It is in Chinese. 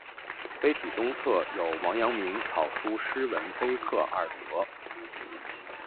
碑体东侧有王阳明草书诗文碑刻二则。